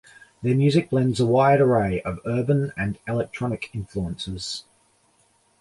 Their music blends a wide array of urban and electronic influences.